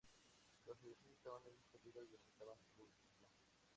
Los edificios estaban en peligro y amenazaban ruina.